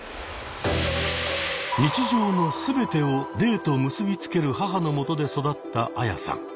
日常の全てを霊と結びつける母のもとで育ったアヤさん。